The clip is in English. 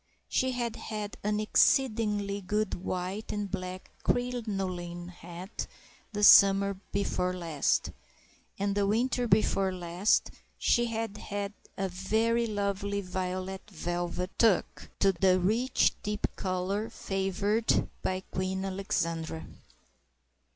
She had had an exceedingly good white and black crinoline hat the summer before last, and the winter before last she had had a very lovely violet velvet toque—the rich deep colour favoured by Queen Alexandra.